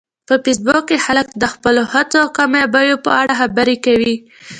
په فېسبوک کې خلک د خپلو هڅو او کامیابیو په اړه خبرې کوي